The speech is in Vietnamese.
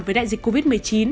với đại dịch covid một mươi chín